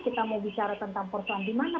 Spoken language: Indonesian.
kita mau bicara tentang perusahaan dimana